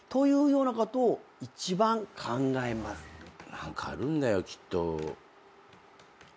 何かあるんだよきっと。